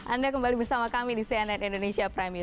anda kembali bersama kami di cnn indonesia prime news